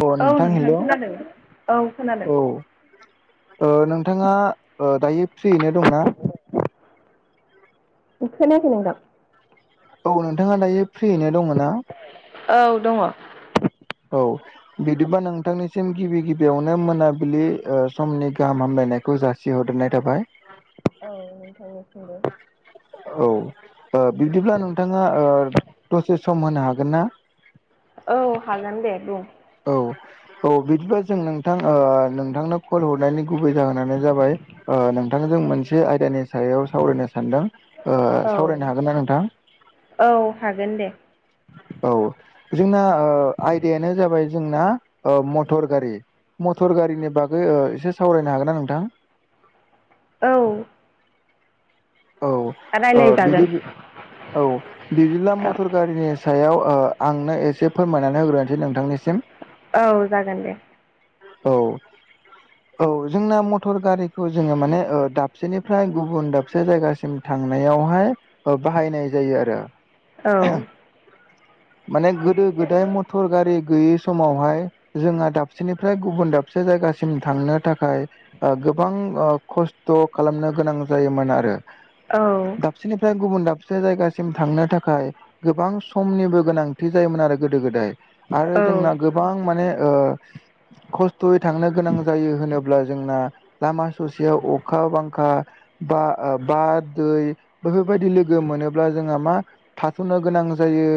अ औ नोंथां हेलौ खोनादों औ खोनादों [inaudible] औ ओ नोंथाङा ओ दायो फ्रियैनो दंना? खोनायाखै नोंथां। औ नोंथाङा दायो फ्रियैनो दङ ना? औ दङ। औ बिदिबा नोंथांनिसिम गिबि गिबियावनो मोनाबिलि ओ समनि गाहाम हामलायनायखौ जा सिहरदेरनाय थाबाय। औ नोंथां निसिमबो औ ओ बिदिब्ला नोंथाङा ओ दसे सम होनो हागोन ना? औ हागोन दे बुं। औ औ बिदिब्ला जों नोंथां ओ नोंथांनो कल हरनायनि गुबै जाहोनानो जाबाय। ओ नोंथां जों मोनसे आयदानि सायाव सावरायनो सानदों ओ औ सावरायनो हागोन ना नोंथां। औ हागोन दे औ जोंना ओ आयदायानो जाबाय जोंना ओ मटर गारि। मटर गारिनि बागै ओ एसे सावरायनो हागोन ना नोंथां। औ औ ओ रायलायजागोन बिदि औ बिदिब्ला औ मटर गारिनि सायाव ओ आंनो एसे फोरमायनानै होग्रोनोसै नोंथांनिसिम। औ जागोन दे औ औ जोंना मटर गारिखौ जोङो माने ओ दाबसेनिफ्राय गुबुन दाब से जायगासिम थांनायाव हाय ओ बाहायनाय जायो आरो औ माने गोदो गोदाय मथर गारि गैयि समाव हाय जोंहा दाबसेनिफ्राय गुबुन दाबसे जायगासिम थांनो थाखाय। ओ गोबां ओ खस्थ' खालामनो गोनां जायोमोन आ औ दाबसेनिफ्राय गुबुन दाबसे जायगासिम थांनो थाखाय। गोबां समनिबो गोनांथि जायोमोन आरो गोदो गोदाय आरो औ जोंना गोब बां माने ओ खस्थ'यै थांनो गोनां जायो होनोब्ला जोंना लामा ससेयाव अखा बांखा बा ओ बा दै बेफोरबायदि लोगो मोनोब्ला जोंहा मा थाथ'नो गोनां जायो।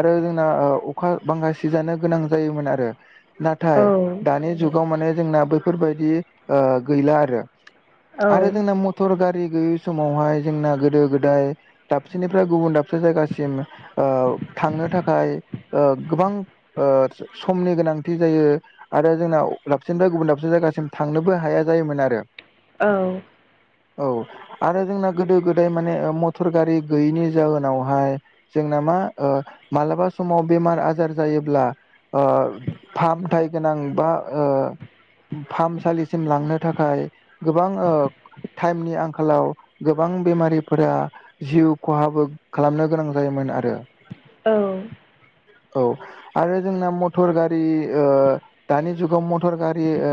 आरो जोंना ओ अखा बांखा सिजानो गोनां जायोमोन आरो औ नाथाय दानि जुगाव माने जोंना बैफोरबायदि ओ गैला आरो औ आरो जोंना मटर गारि गैयै समाव हाय जोंना गोदो गोदाय। दाबसेनिफ्राय गुबुन दाबसे जायगासिम ओ थांनो थाखाय ओ गोबां ओ समनि गोनांथि जायो। आरो जोंना अफ दाबसिनिफ्राय गुबुन दाबसिन जायगासिम थांनोबो हाया जायोमोन आरो औ औ आरो जोंना गोदो गोदाय माने मटर गारि गैयैनि जाहोनाव हाय। जोंना मा ओ मालाबा समाव बेमार आजार जायोब्ला ओ फाहामथाय गोनां बा ओ फाहामसालिसिम लांनो थाखाय गोबां ओ टाइमनि आं खालाव गोबां बेमारिफोरा जिउ खहाबो खालामनो गोनां जायोमोन आरो औ औ आरो जोंना मटर गारि ओ दानि जुगाव मटर गारि ओ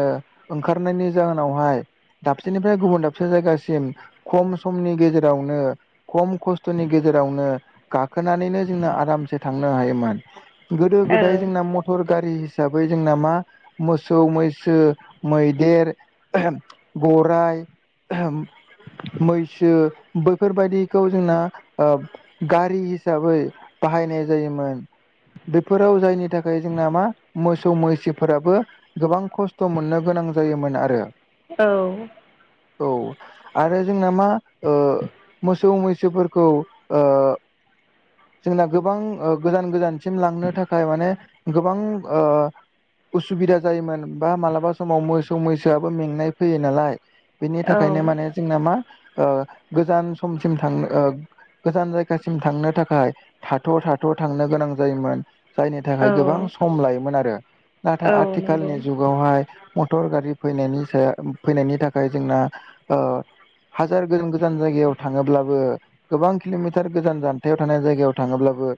ओंखारनायनि जाहोनावहाय दाबसेनिफ्राय गुबुन दाबसे जायगासिम खम समनि गेजेरावनो खम खस्थ'नि गेजेरावनो गाखोनानैनो जोंनो आरामसे थांनो हायोमोन गोदो गोदाय जोंना म मटर गारि हिसाबै जोंना मा मोसौ मैसो मैदेर बराइ मैसो बैफोरबायाददिखौ जोंना गारि हिसाबै बाहायनाय जायोमोन बेफोराव जायनि थाखाय जोंना मा मोसौ मैसोफोराबो गोबां खस्थ' मोननो गोनां जायोमोन आरो औ औ आरो जोंना मा मोसौ मैसोफोरखौ जोंना गोबां गोजान गोजानसिम लांनो थाखाय माने गोबां उसुबिदा जायोमोन बा मालाबा समाव मोसौ मैसोआबो मेंनाय फैयो नालाय बिनि थाखायनो माने जनो थाखाय थाथ' थाथ' थांनो गोनां जायोमोन जायनि थाखाय औ गोबां सम लायोमोन आरो नाथाय औ नंगौ आथिखालनि जु ुगावहाय मटर गारि फैनायनि सायाव फैनायनि थाखाय जोंना हाजार गोजान गोजान जायगायाव थाङोब्लाबो गोबां किल'मिटार गोजान जान हाथायाव थानाय जायगायाव थाङोब्लाबो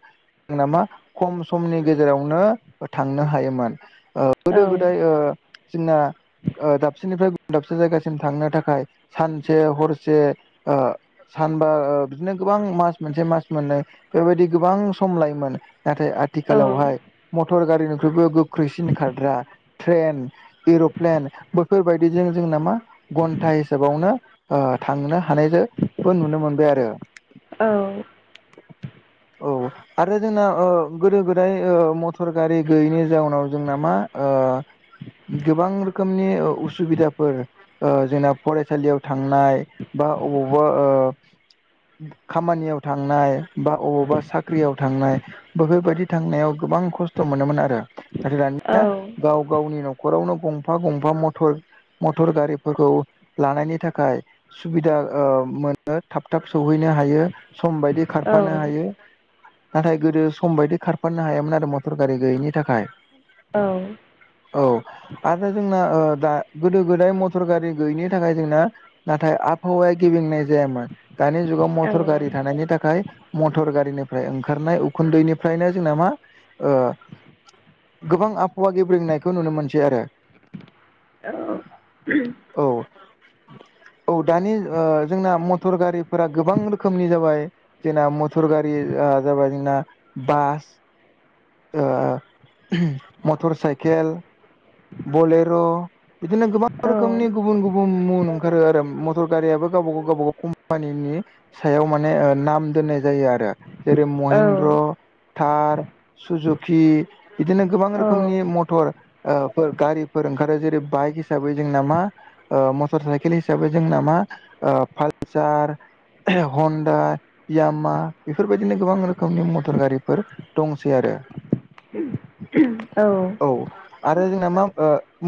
नामा खम समनि गेजेरावनो थांनो हायोमोन औ गोदो गोदाय जोंना दाबसेनिफ्राय गुबुन दाबसे जायगासिम थांनो थाखाय सानसे हरसे सानबा बिदिनो गोबां मास मोनसे मास मोननाय बेबायदि गोबां सम लायोमोन नाथाय औ आथिखालावहाय मटर गारिनिख्रुइबो गोख्रैसिन खारद्रा ट्रेन एर'प्लेन बैफोरबायदिजों जोंना मा घन्टा हिसाबावनो थांनो हानायजोंबो नुनो मोनबाय आरो औ औ आरो जोंना गोदो गोदाय मथर गारि गैयैनि जाउनाव जोंना मा गोबां रोखोमनि उसुबिदाफोर जोंना फरायसालियाव थांनाय बा अबावबा खामानियाव थांनाय बा अबावबा साख्रियाव थांनाय बफोरबायदि थांनायाव गोबां खस्थ' मोनोमोन आरो नाथाय दानिया गाव गावनि न'खर न'खरावनो गंफा गंफा मर मटर गारिफोरखौ लानायनि थाखाय सुबिदा मोनो थाब थाब सौहैनो हायो सम बायदि खारफानो हायो नाथाय गोदो सम बायदि खारफानो हायामोन आरो मटर गारि गैयैनि थाखाय औ औ आरो जोंना दा गोदो गोदाय मटर गारि गैयिनि थाखाय जोंना नाथाय आबहावाया गिबिंनाय जायामोन दानि जुगाव मटर गारि थानायनि थाखाय मटर गारिनिफ्राय ओंखारनाय उखुन्दैनिफ्रायनो जोंना मा गोबां आबहावा गेब्रेंनायखौ नुनो मोनसै आरो औ औ औ दानि जोंना मटर गारिफोरा गोबां रोखोमनि जाब जाबाय जोंना मटर गारि जाबाय जोंना बास मटर साइकेल बलेर' बिदिनो गोबां औ रोखोमनि गुबुन गुबुन गुबुं ओंखारो आरो मटर गारियाब गावब गाव गावब गाव कम्पानिनि सायाव म नाम दोननाय जायो आरो जेरै औ महिन्द्र थार सुजुकि बिदिनो गोबां रोखोमनि मथर फोर गारिफोर ओंखारो जेरै बाइक हिसाबै जोंना मा मटर साइकेल हिसाबै जोंना मा पालसार ह आ यामा बेफोरबायदिनो गोबां रोखोमनि मटर गारिफोर दंसै आरो औ औ आरो जोंना मा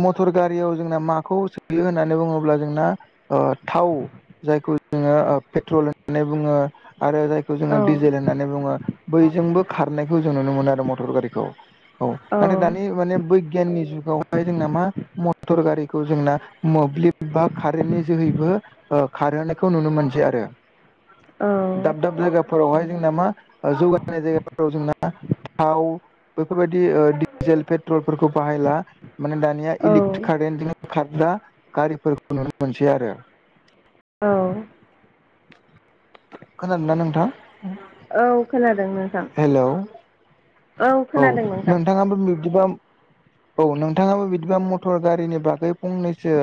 मथर गारियाव जोंना माखौ सोयो होननानै बुङोब्ला जोंना थाव जायखौ जोङो पेट्रल होननानै बुङो आरो जायखौ जोङो डिजेल औ होननानै बुङो बैजोंबो खारनायखौ जों नुनो मोनो आरो मटर गारिखौ औ नाथाय दानि माने बैगियाननि जुगावहाय जोंना मा मटर गारिखौ जोंना मोब्लिब बा कारेन्टनि जोहैबो खारहोनायखौ नुनो मोनसै आरो दाब दाब जायगाफोरावहाय जोंना मा जौगनाय जायगाफोराव जोंना थाव बेफोरबायदि डिजेल पेट्रलफोरखौ बाहायला माने दानि दानिया इलेकट्रिक कारेन्टजों खार्रा गारिफोरखौ नुनो मोनसै आरो औ खोनादोंना नोंथां औ खोनादों नोंथां हेलौ औ खोनादों नोंथां नोंथाङाबो बिब्दिबा औ नोंथाङाबो बिदिबा मटर गारिनि बागै फंनैसो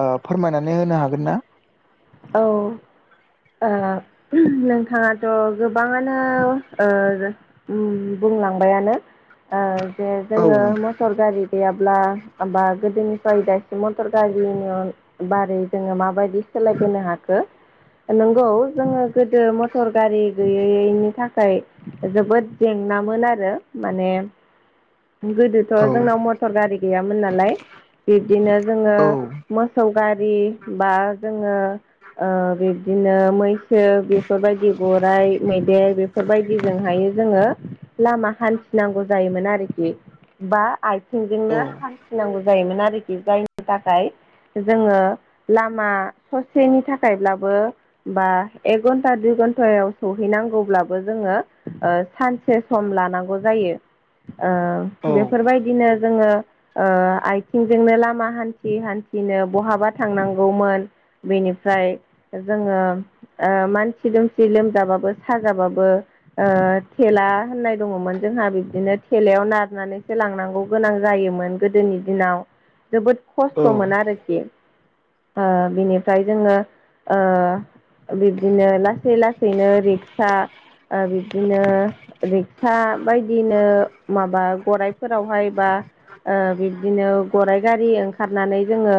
फोरमायनानै होनो हागोन ना औ नोंथाङाथ' गोबाङानो उम बुंलांबायानो ओ जे औ जोङो नोंथां मटर गारि गैयाब्ला बा गोदोनिफ्राय दासिम मटर गारिनि बारै जोङो माबायदि सोलायबोनो हाखो नंगौ जोङो गोदो मटर गारि गैयैैनि थाखाय जोबोद जेंनामोन आरो माने गोदो औ थ' जोंनाव मटर गारि गैयामोन नालाय बिब्दिनो जोङो औ मोसौ गारि बा जोङो बिब्दिनो मैसो बेफोरबायदि गराइ मैदेर बेफोरबायदिजोंहायो जोङो लामा हान्थिनांगौ जायोमोन आरोखि बा औ आथिंजोंनो औ नांगौ जायोमोन आरोखि जायनि थाखाय जोङो लामा सेनि थाखायब्लाबो एक घन्टा दुइ घन्टायाव सहैनांगौब्लाबो जोङो सानसे सम लानांगौ जायो बेफोरबायदिनो जोङो आथिंजोंनो लामा हान्थि हान्थिनो बहाबा थांनांगौमोन बेनिफ्राय जोङो मानसि दोमसि लोमजाबाबो साजाबाबो थेला होननाय दङमोन जोंहा बिब्दिनो थेलायाव नारनानैसो लांनांगौ गोनां जायोमोन गोदोनि दिनाव जोबोद खस्थ'मोन आरोखि बेनि ओमफ्राय जोङो बिब्दिनो लासै लासैनो रिक्सा आरो बिब्दिनो रिक्सा बायदिनो माबा गराइफोरावहाय बा बिब्दिनो गराइ गारि ओंखारनानै जोङो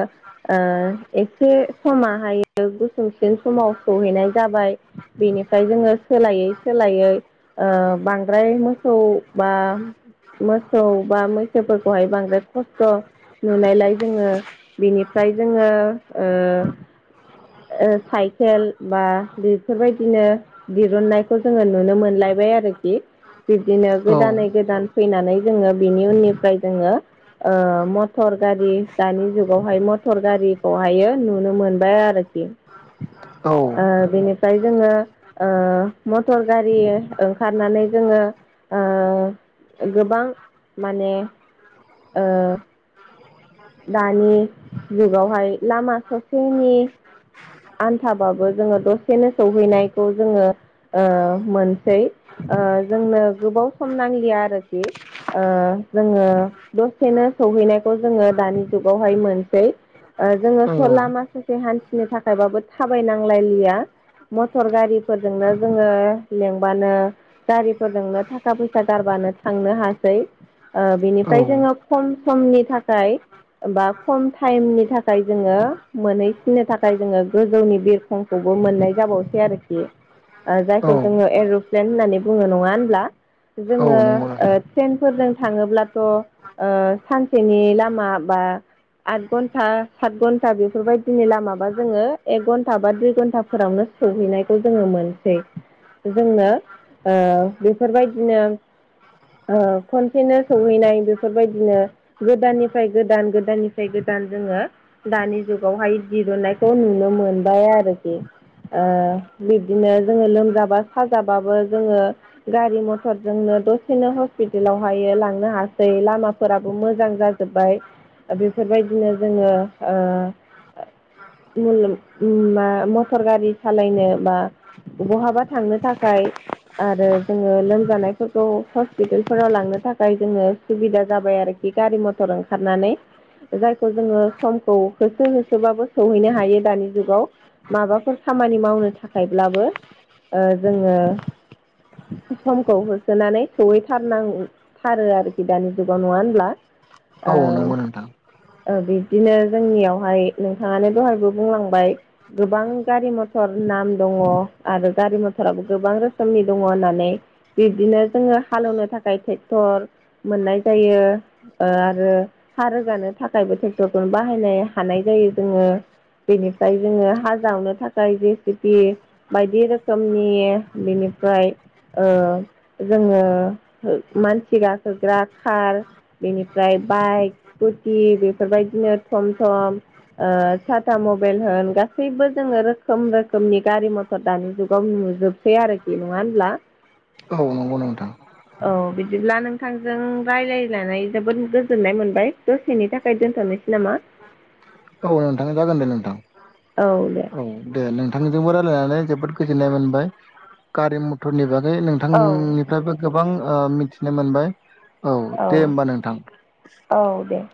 एसे समाहायो गुसुंसिन समाव सहैनाय जाबाय बेनिफ्राय जोङो सोलायै सोलायै बांद्राय मोसौ बा मोसौ बा मैसोफोरखौहाय बांद्राय खस्थ' नुनायलाय जोङो बिनिफ्राय जोङो ओ साइकेल बा बेफोरबायदिनो दिरुननायखौ जोङो नुनो मोनलायबाय आरोखि बिब्दिनो औ गोदानै गोदान फैनानै जोङो बिनि उननिफ्राय जोङो ओ मटर गारि दानि जुगावहाय मटर गारिखौहायो नुनो मोनबाय आरोखि। [unintelligible] औ बेनिफ्राय जोङो मटर गारि ओंखारनानै जोङो ओ औ गोबां माने दानि जुगावहाय लामा ससेनि आन्थाबाबो जोङो दसेनो सौहैनायखौ जोङो ओ मोनसै ओ जोंनो गोबाव सम नांलिया आरोखि ओ जोङो दसेनो सहैनायखौ जोङो दानि जुगावहाय मोनसै ओ जोङो स लामा ससे हान्थिनो थाखायबाबो थाबायनांलायलिया मटर गारिफोरजोंनो जोङो लिंबानो गारिफोरजोंनो थाखा फैसा गारबानो थांनो हासै। ओ औ बेनिफ्राय जोङो खम समनि थाखाय बा खम टाइमनि थाखाय जोङो मोनहैसिननो थाखाय जोङो गोजौनि बिरखं खौबो मोननाय जाबावसै आरोखि। ओ औ जायखौ जोङो एर'प्लेन होननानै बुङो नङा होनब्ला? औ जोङो नंगौ नोंथां ट्रेनफोरजों थाङोब्लाथ' ओ सानसेनि लामा बा आद घन्टा सात घन्टा बेफोरबायदिनि लामाबा जोङो एक घन्टा बा दुइ घन्टाफोरावनो सौहैनायखौ जोङो मोनसै। जोंनो ओ बेफोरबायदिनो ओ खनसेनो सौहैनाय बेफोरबायदिनो गोदाननिफ्राय गोदान गोदाननिफ्राय गोदान जोङो दानि जुगावहाय दिरुनन्नायखौ नुनो मोनबाय आरोखि। ओ बिब्दिनो जोङो लोमजाबा साजाबाबो जोङो गारि मटरजोंनो दसेनो हस्पिटालावहायो लांनो हासै लामाफोराबो मोजां जा जोब्बाय बेफोरबायदिनो जोङो ओ उम मा मटर गारि सालायनो बा बहाबा थांनो थाखाय आरो जोङो लोमजानायफोरखौ हस्पिटालफोराव लांनो थाखाय जोङो सुबिदा जाबाय आरोखि गारि मथर ओंखारनानै। जायखौ जोङो समखौ होसो होसोबाबो सौहैनो हायो दानि जुगाव माबाफोर खामानि मावनो थाखायब्लाबो ओ जोङो समखौ होसोनानै सहैथारनांथारो आरोखि दानि जुगाव नङा होनब्ला? ओ औ नंगौ नोंथां ओ बिब्दिनो जोंनियावहाय नोंथाङानो दहायबो बुंलांबाय गोबां गारि मथर नाम दङ आरो गारि मथराबो गोबां रोखोमनि दङ होननानै बिब्दिनो जोङो हालेवनो थाखाय ट्रेक्टर मोननाय जायो ओ आ रो हा रोगानो थाखायबो ट्रेक्टरखौनो बाहायनो हानाय जायो जोङो। बेनिफ्राय जोङो हाजावनो थाखाय जे सि बि बायदि रोखोमनि बिनिफ्राय ओ जोङो मानसि गाखोग्रा खार बेनि ओमफ्राय बाइक स्कुटि बेफोरबायदिनो थम थम ओ टाटा मबाइल होन गासैबो जोङो रोखोम रोखोमनि गारि मथर दानि जुगाव नुजोब सै आरोखि नङा होनब्ला? औ नंगौ नोंथां। औ बिदिब्ला नोंथांजों रायलायनानै जोबोद गोजोननाय मोनबाय दसेनि थाखाय दोनथ'नोसै नामा? औ नोंथाङा जागोन दे नोंथां औ दे औ दे नोंथांजोंबो रायलायनानै जोबोद गोजोननाय मोनबाय गारि मथरनि बागै नों औ थांनिफ्रायबो गोबां ओ मिथिनो मोनबाय दे औ होमबा नोंथां औ दे।